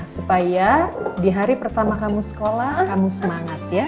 supaya di hari pertama kamu sekolah kamu semangat ya